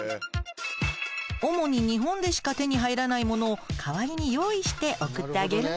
主に日本でしか手に入らないものを代わりに用意して送ってあげるの。